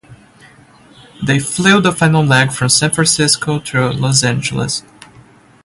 They flew the final leg from San Francisco to Los Angeles.